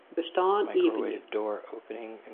Bestân iepenje.